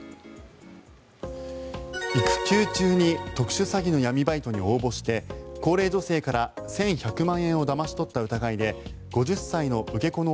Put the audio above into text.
育休中に特殊詐欺の闇バイトに応募して高齢女性から１１００万円をだまし取った疑いで５０歳の受け子の